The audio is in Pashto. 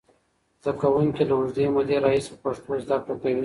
زده کوونکي له اوږدې مودې راهیسې په پښتو زده کړه کوي.